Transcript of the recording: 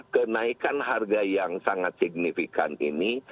kenaikan harga yang sangat signifikan ini